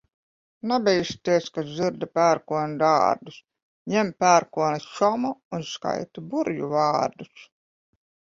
Nebīsties, kad dzirdi pērkona dārdus, ņem pērkona čomu un skaiti burvju vārdus.